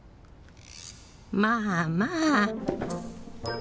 まあまあ。